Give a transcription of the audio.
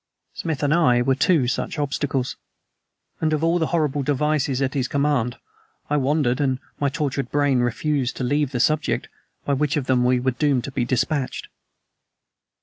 Smith and I were two such obstacles; and of all the horrible devices at his command, I wondered, and my tortured brain refused to leave the subject, by which of them were we doomed to be dispatched?